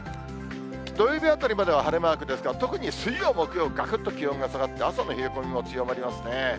土曜日あたりまでは晴れマークですが、特に水曜、木曜、がくっと気温が下がって、朝の冷え込みも強まりますね。